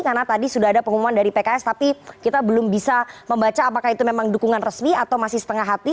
karena tadi sudah ada pengumuman dari pks tapi kita belum bisa membaca apakah itu memang dukungan resmi atau masih setengah hati